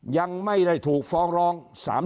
ยังไม่ได้ถูกฟ้องร้อง